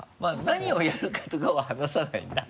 何をやるかとかは話さないんだ？